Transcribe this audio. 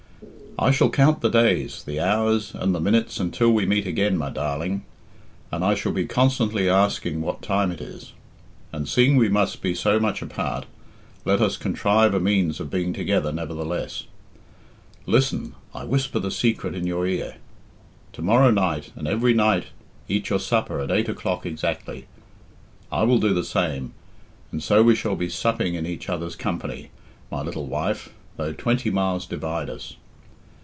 "I shall count the days, the hours, and the minutes until we meet again, my darling, and I shall be constantly asking what time it is. And seeing we must be so much apart, let us contrive a means of being together, nevertheless. Listen! I whisper the secret in your ear. To morrow night and every night eat your supper at eight o'clock exactly; I will do the same, and so we shall be supping in each other's company, my little wife, though twenty miles divide us.